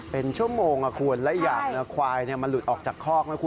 เป็นชั่วโมงคุณและอยากขวายมาหลุดออกจากคอก